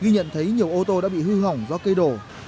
ghi nhận thấy nhiều ô tô đã bị hư hỏng do cây đổ